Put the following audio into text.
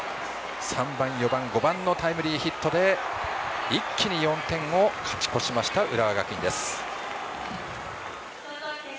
３番、４番、５番のタイムリーヒットで一気に４点を勝ち越しました浦和学院。